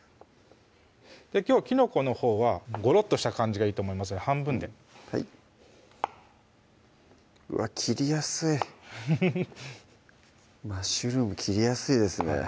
きのこのほうはゴロッとした感じがいいと思いますので半分でうわっ切りやすいフフフマッシュルーム切りやすいですね